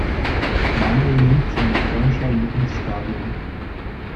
Manuel nimmt seinen Fanschal mit ins Stadion.